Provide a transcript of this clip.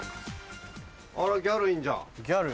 あらギャルいんじゃん。